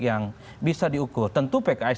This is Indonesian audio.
yang bisa diukur tentu pks